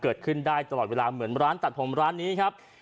เกิดขึ้นได้ตลอดเวลาเหมือนร้านตัดผมร้านนี้ครับ